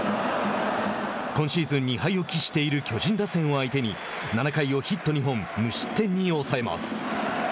今シーズン２敗を喫している巨人打線を相手に７回をヒット２本無失点に抑えます。